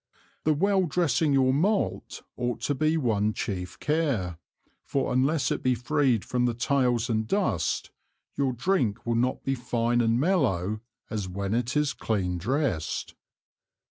The well dressing your Malt, ought to be one chief Care; for unless it be freed from the Tails and Dust, your Drink will not be fine and mellow as when it is clean dressed.